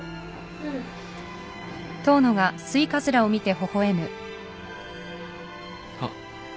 うん。あっ。